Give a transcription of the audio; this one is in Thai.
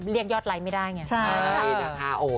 เรียกยอดไลค์ไม่ได้ไง